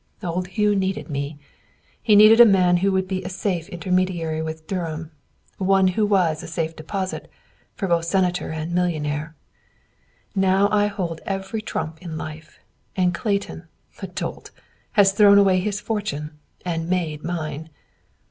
"Old Hugh needed me; he needed a man who would be a safe intermediary with Durham; one who was a Safe Deposit for both senator and millionaire. "Now I hold every trump in life, and Clayton, the dolt, has thrown away his fortune and made mine."